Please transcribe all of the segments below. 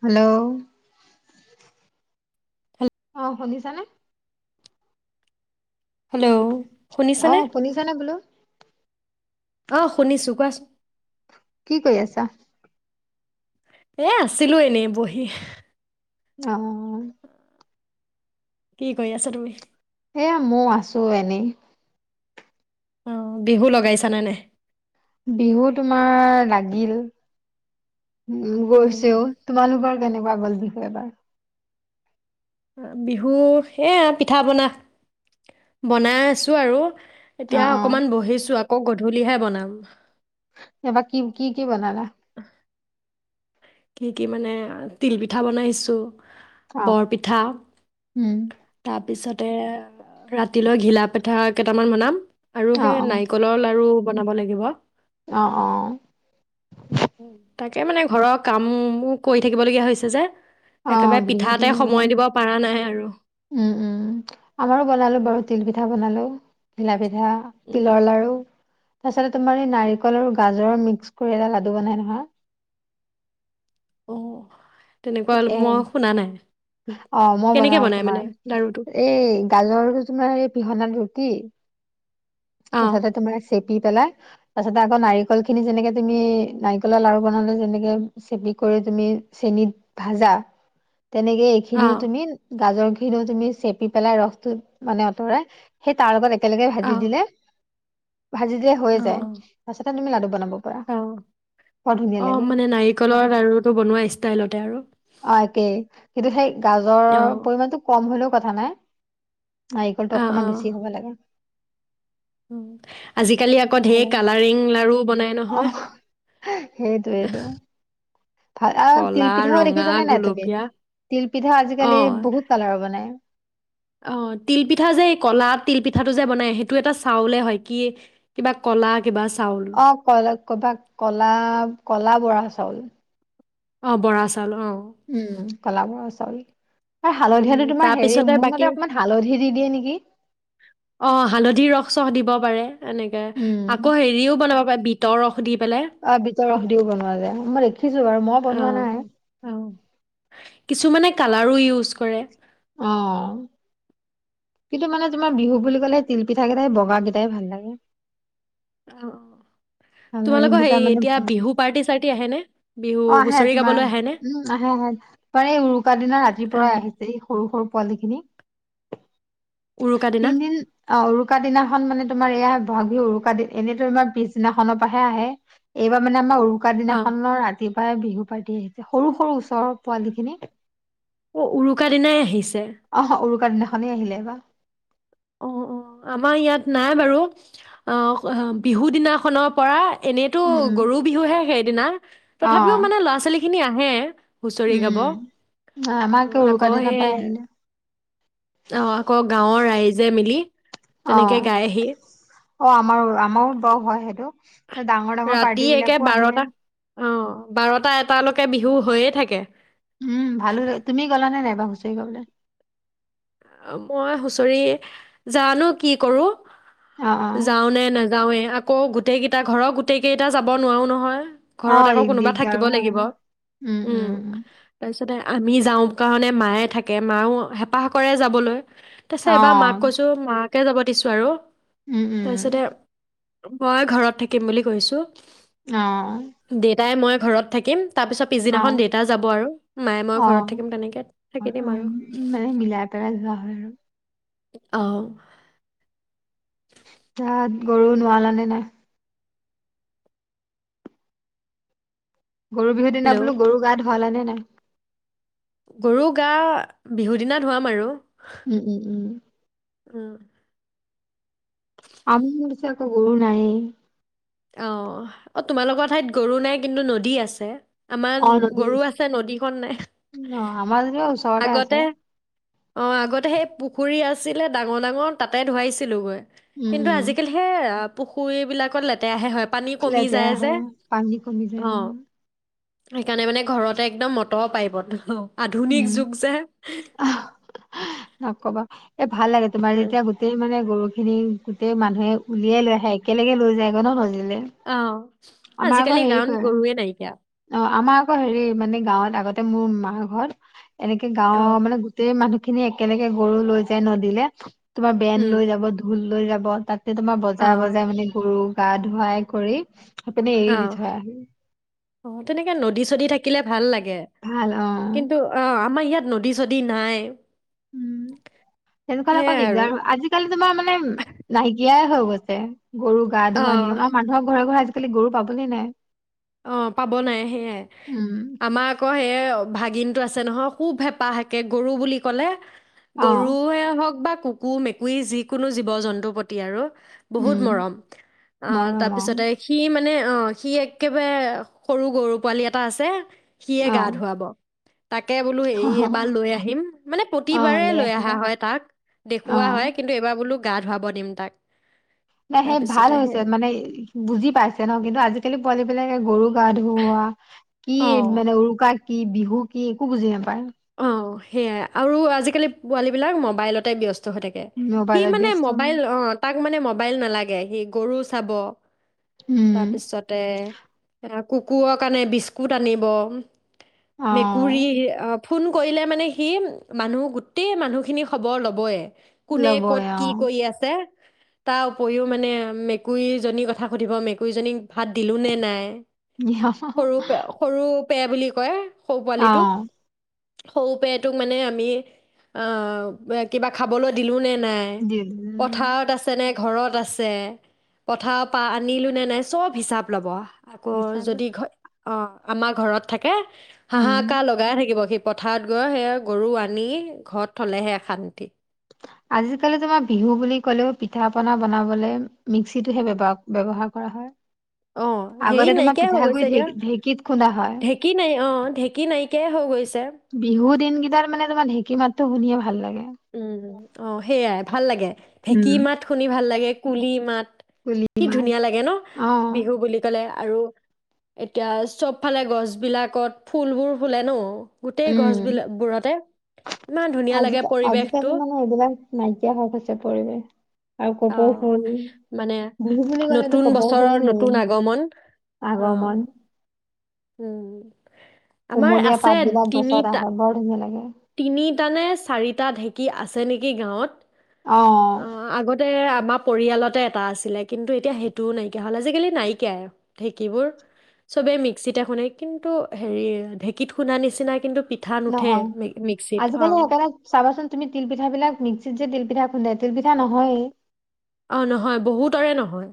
Hello অ' শুনিছানে? Hello. শুনিছানে? অ' শুনিছানে বোলো? অ, শুনিছোঁ, কোৱাচোন। কি কই আছা? এ আছিলো এনেই বহি। অ'। কি কৰি আছা তুমি? এয়া মইয়ো আছোঁ এনেই। অহ, বিহু লগাইছানে নাই? বিহু তোমাৰ লাগিল, ম‌ উম গৈছেও। তোমালোকৰ কেনেকুৱা গ'ল বিহু এইবাৰ? অ বিহু এয়া পিঠা বনা, বনাই আছোঁ আৰু। অ এতিয়া অ অকনমান বহিছোঁ, আ আকৌ গধূলিহে বনাম। এইবাৰ কি, কি কি বনাবা? [unintelligible] কি কি মানে, তিলপিঠা বনাইছোঁ। অ বৰপিঠা, উম তাৰ পিছত তে ৰাতিলৈ ঘিলা পিঠা কেইটামান বনাম আৰু অ সেই নাৰিকলৰ লাৰু বনাব লাগিব। অহ অহ। উম, তাকে মানে ঘৰত- কামকৰি থাকিবলগীয়া হৈছে যে- অহ একেবাৰে বিহু পিঠাতে সময় দিব পৰা নাই আৰু উম উম। আমাৰো বনালোঁ বহুত তিল পিঠা বনালোঁ। লাগে হেয়া উম তিলৰ লাৰু। তাৰপিছতে তোমাৰ এই নাৰিকলৰ গাজৰ মিক্স কৰি এটা লাডু বনাই নহয়। অহ এ অ মই কেনেকে বনাও বনাই মানে লাৰুটো তোমাৰ। এই গাজৰতো তোমাৰ এই পিহনাত ৰিটি- অ তাৰপিছতে তোমাৰ চেপি পেলাই, তাৰপিছতে আকৌ নাৰিকল খিনি যেনেকে তুমি নাৰিকলৰ লাৰু বনালে যেনেকে চেপি কৰি তুমি চেনিত ভাজা- তেনেকে অ এইখিনিও তুমি গাজৰ- খিনি তুমি চেপি পেলাই ৰসতো মানে আঁতৰাই, সেই তাৰ লগতে- একেলগে অ ভাজি দিলে- ভাজি দিয়ে হৈ যায়। অ তাৰপিছতে তুমি লাডু বনাব পাৰা। অ অ বৰ ধুনীয়া অ লাগে। মানে নাৰিকলৰ লাৰুটো বনোৱা ষ্টাইলতে আৰু অ একেই, কিন্তু সেই গাজৰ অ পৰিমাণটো কম- হ'লেও কথা নাই। নাৰিকলটো অকনমান বেছি হ'ব লাগে। ম আজিকালি আকৌ তেতিয়া ভাল ঢেৰ লাগে কালাৰিং লাৰু বনাই নহয়। হে সেইটোৱেইতো। ভা অ কলা তিল পিঠাও দে- কি ৰঙা জানে নাই তুমি গুলপীয়া তিলপিঠা আজিকালি অ বহুত কালাৰৰ বনাই অ তিল পিঠা যে কলাত তিল পিঠাটো যে বনাই সেইটো এটা চাউলে হয় কি কিবা কলা কিবা চাউল অ কিবা কলা কলা বৰা চাউল অ বৰাচাউল উম কলাবৰা চাউল আৰু উম হালধীয়াটো তোমাৰ হেৰি তাৰপিছতে মোৰ বাকী মতে অকমান হালধি দি দিয়ে নেকি অ হালধি ৰস চস দিব পাৰে এনেকে উম আকৌ হেৰিও বনাব পাৰি বিটৰ ৰস দি পেলাই অ বিটৰ বনোৱা যায় আমাৰ দেখিছো বাৰু মই অ বনোৱা নাই অ কিছুমানে কালাৰো ইউজ কৰে আহ কিন্তু মানে তোমাৰ বিহু বুলি ক'লে তিলপিঠা কেইটাই বগা কেইটাই ভাল লাগে অ অ কালাৰিং তোমালোকৰ কেইটা হেই মানে এতিয়া ভাল বিহু পাৰ্টি চাৰ্টি আহে নে অ আহে তোমাৰ উম আহে আহে তোমাৰ এই উৰুকাৰ দিনা ৰাতিৰ অ পৰাাই আহিছে এই সৰু সৰু পোৱালিখিনি উৰুকা দিনা তিনিদিন অ উৰুকা দিনাখন মানে তোমাৰ এইয়া বহাগহু উকািন এনেই তো তমাৰ পিছদিনাখনৰ পৰাহে আহে এইবাৰ মানে আমাৰ উৰু চকা অ দিনাখনৰ ৰাতি প্ৰায় বিহু পাতি আহিছে সৰু সৰু ওচৰৰ পোৱালি খিনি অ উৰুকা দিনাই আহিছে অ উ কনাখনেই আহিলে এই বা অ অ আমাৰ ইয়াত নাই বাৰু অ বিহু দিনাখনৰ পৰা এনেইতো উম উম গৰু বিহুহে সেইদিনা অ তথাপিও মানে ল'ৰা ছোৱালী খিনি আহে হুচৰি উম গাব অ উম আমাৰ একে উৰুকা আকৌ দিনা সেই পাই আহিলে অ আকৌ গাঁৱৰ ৰা জেমিলি অ অ আমাৰো আমাৰো বাৰু হয় সেইটো ত ডাঙৰ ডাঙৰ ৰাতি পাৰ্টী একে বিলাকো আহিলে বাৰটা অ বাৰটা এটালৈকে বিহু হৈয়ে থাকে উম ভালো লাগ তুমি গলা নে নাই এইবা হুচৰি গবলৈ মই হুঁচৰি জানো কি কৰোঁ অ অ যাওঁ নে নাযাওঁৱে আ আকৌ গোটেইকেইটা ঘৰৰ গোটেইকেইটা যাব নোৱাৰোঁ নহয় অ ঘৰত আকৌ কোনোবা থাকিব দিগদাৰো হয় লাগিব উম তাপিছ তাতে আমি যাওঁ কাৰণে মায়ে থাকে মায়ো হেঁপাহ কৰে যাবলৈ তাৰ অ পিছত এবাৰ মাক কৈছোঁ মাক তাকে যাব দিছোঁ আৰু উম তাৰপিছতে উম মই ঘৰত থাকিম বুলি কৈছোঁ অ তাই মই ঘৰত থাকিম তাৰপিছত অ পিছদিনাখন দেতা যাব আৰু মায়ে মই অ ঘৰত থাকিম তেনেকে থাকি দিম আৰু তইয়ে যা আৰু আহ তাত গৰু নোৱালানে নাই গৰু বিহু দিনা হেল্ল' বোলো গৰু গা ধো ভৱালানে নাই গৰু গা বিহু দিনা ধোৱাম আৰু উম উম উম উম আমি মোৰছ এ এক গৰু নাই অ অ অ তোমালোকৰ ঠাইত গৰু নাই কিন্তু নদী আছে আমাৰ অ নদী গৰু আছে নদীখন নাই অ আমাৰ যেনিবা ওচৰতে আগতে আছে অ আগতে সেই পুখুৰী আছিলে ডাঙৰ ডাঙৰ তাতে ধোৱাইছিলোঁগৈ উম কিন্তু উম আজিকালিহে আ পুখুৰীবিলাকত লে তেয়াহে হয় লেতেৰা হয় পানী কমি অ যায় আৰু সেইকাৰণে মানে ঘৰতে একদম মটৰ পাইপত আধুনিক যুগ যে আহ নকবা এ ভাল লাগে তোমাৰ উম, যেতিয়া গোটেই মানে গৰুখিনি গোটেই মানুহে উলিয়াই লৈ আহে একেলগে লৈ যায় গ ন অ আমাৰ আকৌ আজিকালি হেৰি গাঁৱত কৰে গৰুৱে নাইকিয়া। অ আমাৰ আকৌ হেৰি মানে গাঁৱত আগতে মোৰ মাৰ ঘৰত এনেকে অ গাঁৱৰ মানে গোটেই মানুহ [unintelligible] খিনি একেলগে গৰু লৈ যায় নদীলে। তোমাৰ বেন উম লৈ যাব ঢোল, লৈ যাব তাত। এতিয়া তোমাৰ অ বজাই বজাই মানে গৰু, গা ধুৱাই কৰি [unintelligible] এপেনে অ এৰি দিঠৈ আঁ [unintelligible] অ' তেনেকে নদী-চদী থাকিলে ভাল লাগে। কে, ভাল অ কিন্তু আমাৰ ইয়াত নদী ছদি [unintelligible] নদী নাই। উম, তেনেকুৱাত আক সেয়াই আৰু দিগদাৰ হয়, আজিকালি তোমাৰ মানে নাইকিয়াই হ, গছে গৰু গা অ ধোৱা নিয়ম, আৰু মানুহৰ ঘৰে ঘৰে কালি গৰু পাবলে নাই। অ পাব নাই সেয়াই, উম আমাৰ আকৌ সেই ভাগিনটো আছে নহয়, খুব হেঁপাহ একে গৰু বুলি ক'লে। অ গৰুয়ে হওক বা, কুকুৰ-মেকুৰী যিকোনো জীৱ-জন্তুৰ প্ৰতি আৰু বহুত উম মৰম। আহ' মৰম তাৰপিছতে অ সি মানে অ, সি এক একেবাৰে সৰু গৰু পোৱালি এটা আছে। সিয়ে গা ধুৱাব। তাকে বোলো, অ এবাৰ লৈ আহিম, মানে অ প্ৰতিবাৰে লৈ অহা আহিবা হয় তাক। দেখুওৱা অ হয় কিন্তু এইবাৰ বোলো, গা ধুৱাব দিম তাক। নাই সেই ভাল তাৰপিছতে হৈছে, সেই মানে বুজি পাইছে ন কিন্তু আজিকালি পোৱালি বিলাকে গৰু গা ধুওৱা, কি, অ মানে উৰুকা কি বিহু, কি একো বুজি নাপায় অ সেয়াই আৰু আজিকালি পোৱালী বিলাক মোবাইলতে ব্যস্ত হৈথাকে। সি মোবাইলত মানে, ব্যস্ত মবাইল অ' তাক মানে মবাইল নালাগে সি গৰু চাব। উম তাৰপিছতে কুকুৰৰ কাৰণে বিস্কুট আনিব অ মেকুৰী অ ফোন কৰিলে মানে সি মানুহ গোটেই মানুহখিনি খবৰ ল'বই। কোনে ল'বই কত অ কি কৰি আছে, তাৰ উপৰিও মানে মেকুৰীজনী কথা সুধিব মেকুৰীজনীক ভাত দিলোঁ নে নাই? সৰু পে সৰু পে বুলি কয় সৌ অ পোৱালিটোক সৰু পেটোক মানে আমি অ কিবা খাবলৈ দিলো নে নাই পথাৰত আছেনে ঘৰত আছে পথাৰ পা আনিলো নে নাই চব হিচাপ ল'ব আকৌ হিচাপ যদি ঘ অঁ আমাৰ ঘৰত থাকে উম হাঁহাকাৰ লগাই থাকিব সি পথাৰত গৈ সেয়া গৰু আনি ঘৰত থলেহে শান্তি আজিকালি তোমাৰ বিহু বুলি কলেও পিঠা পনা বনাবলৈ মিক্সিটোহে ব্যৱহাৰ কৰা হয় অ হেৰি আগতে তোমাৰ নাইকিয়াই হৈ পিঠাগুৰি গৈছে ঢে এতিয়া ঢেঁকীত খুন্দা হয় ঢেঁকী নাই অ ঢেঁকী নাইকিয়াই হৈ গৈছে বিহু দিনকেইটাৰ মানে তোমাৰ ঢেঁকী মাতো শুনিয়ে ভাল লাগে উম অ সেইয়াই ভাল লাগে ঢ়েঁকী উম মাত শুনি ভালাগ লাগে কুলি মাত কুলি কি মাত ধুনীয়া লাগে ন অ বিহু বুলি ক'লে আৰু এতিয়া চব ফালে গছ বিলাকত ফুলবোৰ ফুলে নো গোটেই উম, গছ বিল বোৰতে ইমান ধুনীয়া আজি লাগে পৰিৱেশটো আজিকালি মানে এইবিলাক নাইকিয়া হৈ গৈছে পৰিৱেশ আৰু কপৌ ফুল আহ মানে বিহু বুলি ক'লেতো নতুন কপৌ ফুলেই বছৰৰ মেইন নতুন আগমন অ আগমন উম আমাৰ কুমলীয়া আছে পাত বিলাক গছত তিনিটা আহে বৰ ধুনীয়া লাগে তিনিটা নে চাৰিটা ঢেঁকী আছে নেকি গাঁৱত অ আগতে আমাৰ পৰিয়ালতে এটা আছিলে কিন্তু এতিয়া সেইটোও নাইকিয়া হ'ল আজিকালি নাইকিয়াই ঢেঁকীবোৰ চবে মিক্সিতে শুনে কিন্তু হেৰি ঢেঁকীত খুন্দা নিচিনা কিন্তু পিঠা নুঠে নহয় মিক্সিত আজিকালি অ', সেইকাণে চাবাচোন তুমি তিল পিঠা বিলাক নি মিক্সিট যে তিলপিঠা খুন্দে তিলপিঠা নহয়ে অ', নহয় বহুতৰে নহয়,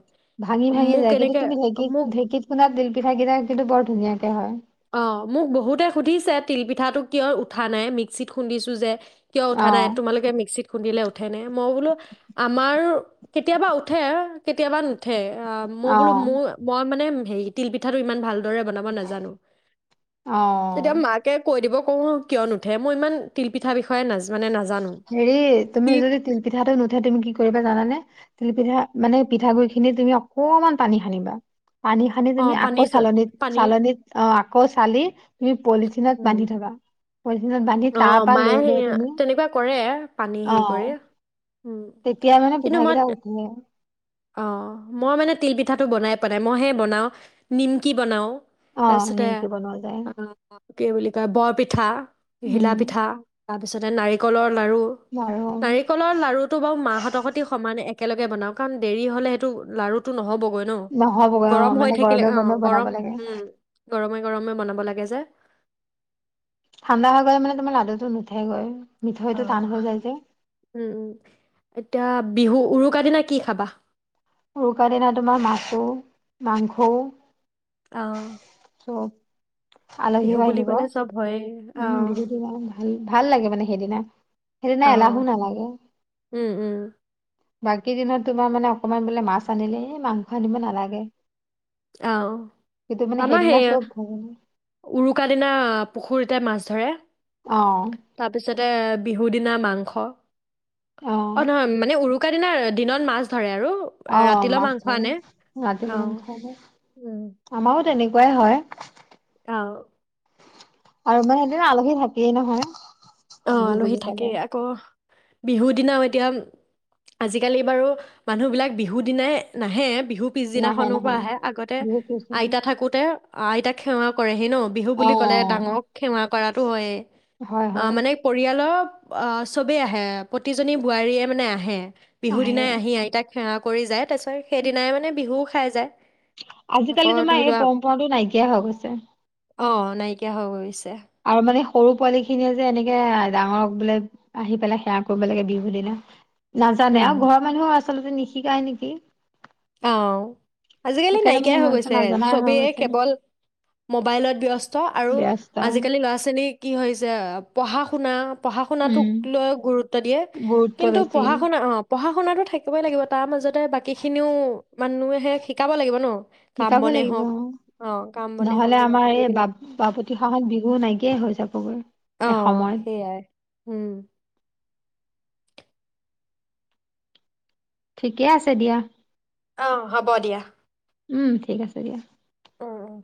ভাঙি ভাঙি যায় মোক কিন্তু এনেকে তুমি ঢেঁকীত মোক ঢেঁকীত খুন্দা তিল পিঠা কেইটা কিন্তু বৰ ধুনীয়াকে হয়। অ', মোক বহুতে সুধিছে তিলপিঠাটো কিয় উঠা নাই, মিক্সিত খুন্দিছো যে। কিয় উঠা অ নাই, তোমালোকে মিক্সিট খুন্দিলে উঠে নে, মই বোলো আমাৰ কেতিয়াবা উঠে, কেতিয়াবা নুঠে। অ', ম বোলো মোৰ মই মানে হে তিল পিঠাটো ইমান ভাল দৰে বনাব নাজানো। অ তেতিয়া মাকে কৈ দিব কৰোঁ কিয় নুঠে, মই ইমান তিলপিঠাৰ বিষয়ে নাজানো মানে হেৰি তুমি কি যদি তিলপিঠাটো নুঠে তুমি কি কৰিবা জানানে। তিলপিঠা, মানে পিঠাগুৰি খিনি তুমি অকমান পানী সানিব। পানী খানি তুমি অ' পানী আকৌ চ চালনিত পানী চালনিত, অ', আকৌ চালি তুমি পলীদিনত উম, বান্ধি থোৱা। পলীদিনট বান্ধি তাৰ অ' পৰা মায়ে লৈ সেই লৈ তুমি তেনেকুৱা কৰে, পানী অ হেৰি কৰে, উম, তেতিয়া মানে কিন্তু মই পিঠাকেইটা উঠে অ', মই মানে তিল পিঠাটো বনাইছে পোৱা নাই, মই হে বনাও নিমকি বনাও। অ তাৰপিছতে, নিমকি বনোৱা যায় অ', কি বুলি কয় বৰপীত পিঠা। উম ঘিলা পিঠা। তাৰপিছতে নাৰিকলৰ লাৰু, বাৰু নাৰিকলৰ লাৰুটো বাৰু মাহটোৰ সোতি সমানিয়াই এক একেলগে বনাওঁ কাৰণ দেৰি হলে সেইটো লাৰুটো নহ'ব। অইন, নহ'বগৈ অ গৰম হৈ মানে থাকিলে, গৰমে গৰমে অ', বনাব গৰম, লাগে উম, গৰমাই গৰমে বনাব লাগে যে। ঠাণ্ডা হৈ গলে মান তোমাৰ লাৰুটো নথাই গৈ। অ মিঠৈও টান হৈ যায় যে। উম উম এতিয়া, বিহু উৰুকা দিনা কি খাবা? উৰুকা দিনা তোমাৰ মাছো, মাংসও। অ' চব বিহু আলহীও বুলি আহিব কলে চব হয় উম বিহু দিনা ভাল ভাল লাগে মানে সেইদিনা অ এলাহো নালাগে উম উম বাকী দিনত তোমাৰ মানে অকমান বোলে মাছ আনিলে এই মাংস আনিব নালাগে অ কিন্তু মানে আমাৰ সেইদিনা সেইয়া চব ধৰে উৰুকা দিনা পুখুৰী ততে মাছ ধৰে অ তাৰ পিছতে এ বিহু দিনা মাংস অ নহয় মানে উৰু চকাাদিনাৰ দিনত মাছ ধৰে আৰু [unintelligible] অ ৰাতিলৈ মাছ মাংস আনে ধৰে ৰাতি অ মাংস উম, আমাও তেনেকুৱাই হয় অ আৰু মানে সেইদিনা আলহী থাকিয়েইে নহয় অ বিহু আলহী বুলি ক'লে থাকেই আকৌ বিহু দিনাও এতিয়া আজিকালি বাৰু মানুহ বিলাক বিহু দিনাই নাহে বিহু নাহে পিছদিনাখনৰ নাহে পৰা আহে আগতে বিহু পিছদিনা আইতা থাকোতে অ আইতাক সেৱা কৰে আহি ন বিহু অ বুলি ক'লে ডাঙক সেৱা কৰাতটো হয় হয় অ হয় মানে পৰিয়ালৰ অ চবেই আহে প্ৰতিজনী বোৱাৰীয়ে মানে আহে বিহু আহে দিনাই আহি আইতাক সেৱা কৰি যায় তাৰছত সেইদিনাই মানে বিহু খাই যায় আজিকালি আকৌ তোমাৰ ধৰি এই লোৱা পৰম্পৰাটো নাইকিয়া হৈ গৈছে অ নাইকিয়া হৈ গৈছে আৰু মানে সৰু পোৱালি খিনিয়ে যে এনেকে ডাঙৰক বোলে আহি পেলাই সেৱা কৰিব লাগে বিহু দিনা নাজানে উম আৰু ঘৰ মানুহো আছে আচলতে নিশিকাই নেকি অ আজিকালি সেইকাৰণে মানে নাইকিয়াই হৈ সিহঁতে গৈছে নাজানাই হৈ চবেই গৈছে কেৱল মোবাইলত ব্যস্ত আৰু ব্যস্ত আজিকালি ল'ৰা ছোৱালীক কি হৈছে পঢ়া শুনা পঢ়া উম শুনাাতোক লৈ গুৰুত্ব দিয়ে গুৰুত্ব কিন্তু বেছি পঢ়া শুনা অ পঢ়া শুনাতো থাকিবই লাগিব তাৰ মাজতে বাক খিনিওও- মানুহে শিকাব লাগিব ন। কাম শিকাব বনে হওক লাগিবঅ। অ কাম বনে হওক নহলে কিবা কিবি আমাৰ এই এইবিলাক বাপ বাপোতি সাহোন বিহু নাইকিয়াই হৈ যাবগৈ। অঅ এসময়ত সেইয়াই উম। ঠিকে আছে দিয়া। অ' হ'ব দিয়া। উম ঠিক আছে দিয়া। অ'অ'অ